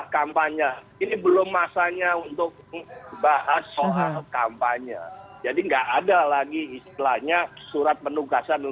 ketua dpp pdi perjuangan